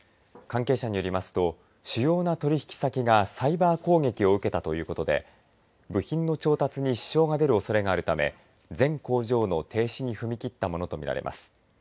関係者によりますと主要な取引先がサイバー攻撃を受けたということで部品の調達に支障が出るおそれがあるため全工場の停止に踏み切ったものとみられます。